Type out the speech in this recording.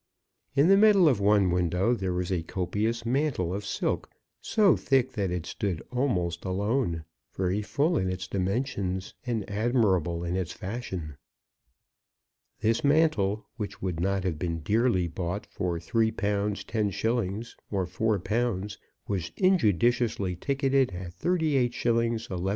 In the middle of one window there was a copious mantle, of silk so thick that it stood almost alone, very full in its dimensions, and admirable in its fashion. This mantle, which would not have been dearly bought for 3_l._ 10_s._ or 4_l._, was injudiciously ticketed at 38_s._ 11½_d.